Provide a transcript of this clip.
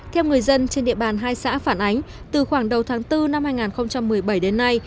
theo người dân trên địa bàn hai xã phản ánh từ khoảng đầu tháng bốn năm hai nghìn một mươi bảy đến nay